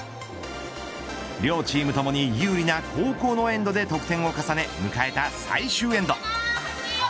両チームともに有利な後攻のエンドで得点を重ね迎えた最終エンド。